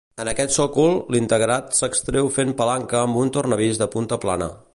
En aquest sòcol, l'integrat s'extreu fent palanca amb un tornavís de punta plana.